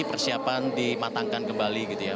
terus ketika ditangkap kembali itu ya